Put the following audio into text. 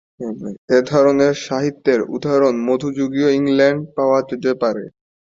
এই ধরনের সাহিত্যের উদাহরণ মধ্যযুগীয় ইংল্যান্ডে পাওয়া যেতে পারে।